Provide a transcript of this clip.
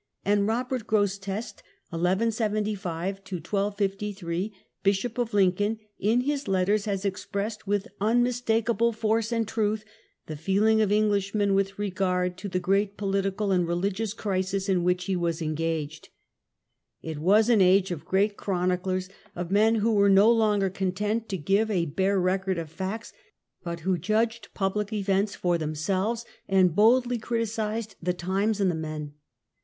and Robert Grosseteste (i 175 1253), Bishop of Lincoln, in his letters ,has expressed with un mistakable force and truth the feeling of Englishmen with regard to the great political and religious crisis in which he was engaged. It was an age of great chroniclers, of men who were no longer content to give a bare record of facts, but who judged public events for themselves, and boldly criticised the times and the men.